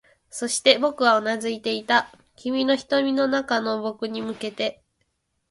そして、僕はうなずいていた、君の瞳の中の僕に向けて